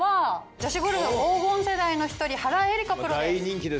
女子ゴルフ黄金世代の一人原英莉花プロです。